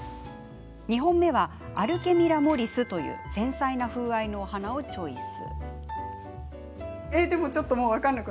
２本目は、アルケミラ・モリスという繊細な風合いのお花をチョイス。